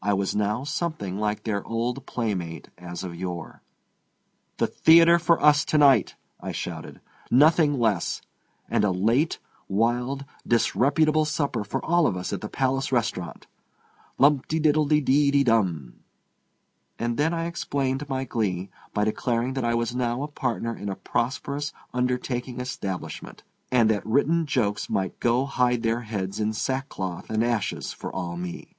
I was now something like their old playmate as of yore. "The theatre for us to night!" I shouted; "nothing less. And a late, wild, disreputable supper for all of us at the Palace Restaurant. Lumpty diddle de dee de dum!" And then I explained my glee by declaring that I was now a partner in a prosperous undertaking establishment, and that written jokes might go hide their heads in sackcloth and ashes for all me.